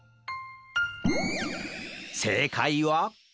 せいかいは？